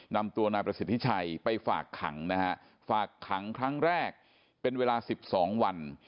นำตัวนายประสิทธิชัยไปฝากขังนะฮะฝากขังครั้งแรกเป็นเวลา๑๒วัน